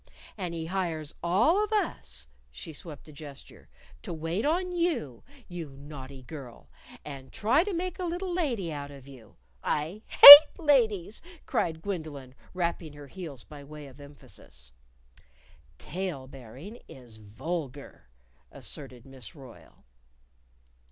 And he hires all of us" she swept a gesture "to wait on you, you naughty girl, and try to make a little lady out of you " "I hate ladies!" cried Gwendolyn, rapping her heels by way of emphasis. "Tale bearing is vulgar," asserted Miss Royle.